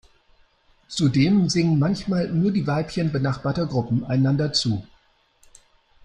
Zudem singen manchmal nur die Weibchen benachbarter Gruppen einander zu.